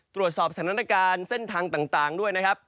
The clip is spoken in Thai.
ตรวจสอบสถานการณ์เส้นทางต่างด้วยนะครับ